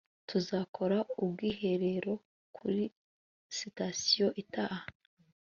tuzakora ubwiherero kuri sitasiyo itaha